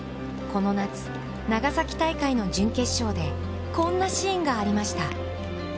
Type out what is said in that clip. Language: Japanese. この夏、長崎大会の準決勝でこんなシーンがありました。